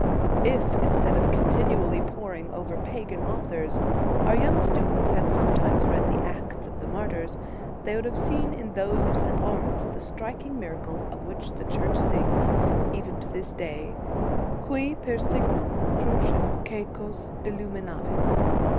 If, instead of continu ally poring over pagan authors, our young students had sometimes read the acts of the martyrs, they would have seen in those of St. Laurence the striking miracle of which the Church sings even to this day, qui per signum crucis c&cos illuminavit.